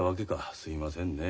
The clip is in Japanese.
すいませんねえ。